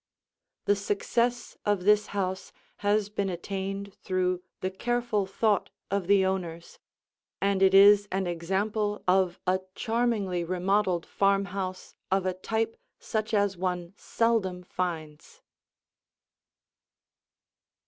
The success of this house has been attained through the careful thought of the owners, and it is an example of a charmingly remodeled farmhouse of a type such as one seldom finds.